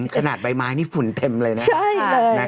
ขนาดใบไม้นี่ฝุ่นเต็มเลยนะ